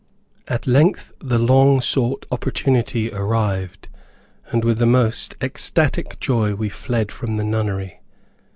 At length the long sought opportunity arrived, and with the most extatic joy we fled from the nunnery.